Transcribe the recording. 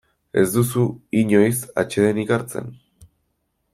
Ez duzu inoiz atsedenik hartzen?